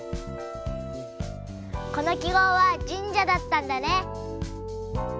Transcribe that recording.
このきごうは神社だったんだね。